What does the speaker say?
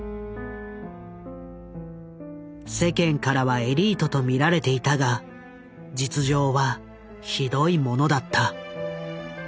世間からはエリートと見られていたが実情はひどいものだった。